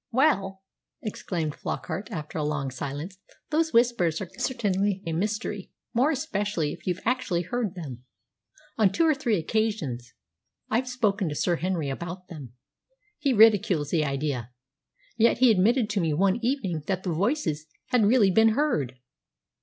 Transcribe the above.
"Well," exclaimed Flockart, after a long silence, "those Whispers are certainly a mystery, more especially if you've actually heard them. On two or three occasions I've spoken to Sir Henry about them. He ridicules the idea, yet he admitted to me one evening that the voices had really been heard.